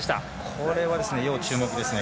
これは要注目ですね。